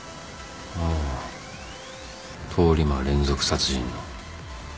ああ通り魔連続殺人の